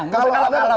kalau ada gimana